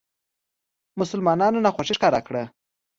مسلمانانو ناخوښي ښکاره کړه.